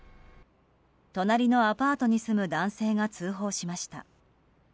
隣のアパートに住む男性が通報しました。